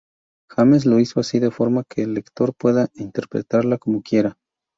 James lo hizo así de forma que el lector pueda interpretarla como quiera.